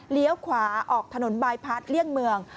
เลี้ยวขวาออกถนนบายพัดเลี่ยงเมือง